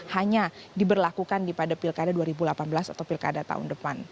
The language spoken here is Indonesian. hanya diberlakukan pada pilkada dua ribu delapan belas atau pilkada tahun depan